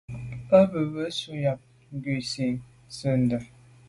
À bə́ á dʉ̀’ zə̄ bú nǔ yáp cû nsî rə̂ tsə̂də̀.